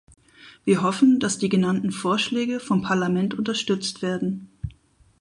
Wir hoffen, dass die genannten Vorschläge vom Parlament unterstützt werden.